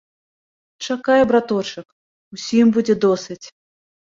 Чакай, браточак, усім будзе досыць!